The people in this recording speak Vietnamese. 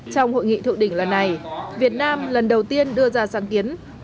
trong hội nghị thượng đỉnh lần này việt nam lần đầu tiên đưa ra sáng kiến